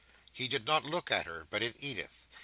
He did not look at her, but at Edith.